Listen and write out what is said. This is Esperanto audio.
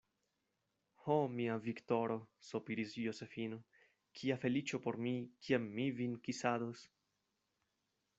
Ho, mia Viktoro, sopiris Josefino, kia feliĉo por mi, kiam mi vin kisados.